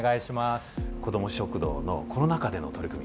こども食堂のコロナ禍での取り組み